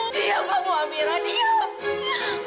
diam amira diam